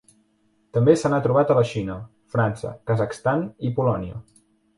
També se n'ha trobat a la Xina, França, Kazakhstan i Polònia.